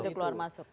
itu keluar masuk